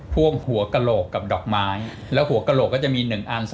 พวกหัวกระโหลกกับดอกไม้แล้วหัวกระโหลกก็จะมี๑อัน